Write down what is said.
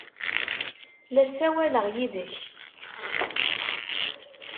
La ssawaleɣ yid-k!